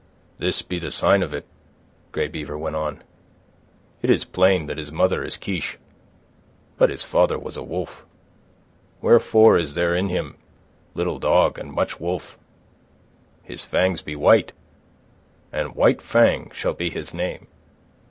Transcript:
"This be the sign of it," Grey Beaver went on. "It is plain that his mother is Kiche. But his father was a wolf. Wherefore is there in him little dog and much wolf. His fangs be white, and White Fang shall be his name.